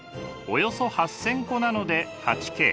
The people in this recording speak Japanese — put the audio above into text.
およそ８，０００個なので８Ｋ。